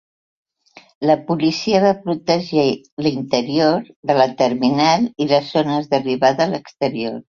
La policia va protegir l'interior de la terminal i les zones d'arribada a l'exterior.